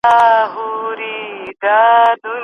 په پښو منډه وهل عضلې قوي کوي.